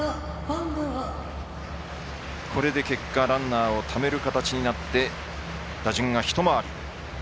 これで結果ランナーをためる形になって打順が一回り。